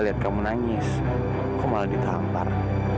lihat kamu nangis kok malah ditampar